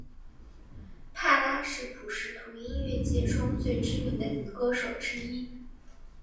帕拉是普什图音乐界中最知名的女歌手之一。